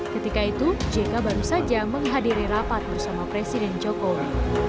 ketika itu jk baru saja menghadiri rapat bersama presiden jokowi